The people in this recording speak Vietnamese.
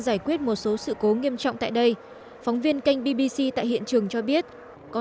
giải quyết một số sự cố nghiêm trọng tại đây phóng viên kênh bbc tại hiện trường cho biết có